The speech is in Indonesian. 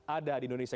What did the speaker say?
ada di indonesia